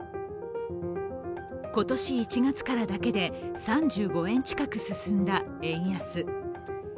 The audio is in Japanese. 今年１月からだけで３５円近く進んだ円安。